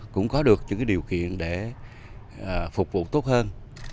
cũng có được những điều kiện để phục vụ tốt hơn